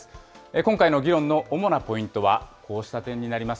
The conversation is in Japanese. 今回の議論の主なポイントは、こうした点になります。